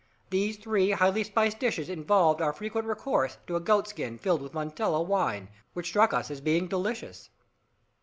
These three highly spiced dishes involved our frequent recourse to a goatskin filled with Montella wine, which struck us as being delicious.